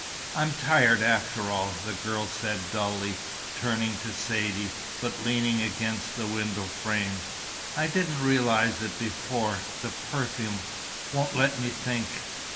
"I'm tired, after all," the girl said dully, turning to Saidee, but leaning against the window frame. "I didn't realize it before. The perfume won't let me think."